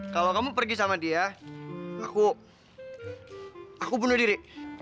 kalau kamu pergi sama dia aku bunuh diri